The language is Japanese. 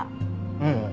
ええ。